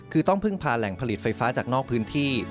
คือต้องพึ่งพาแหล่งผลิตไฟฟ้าจากนอกพื้นที่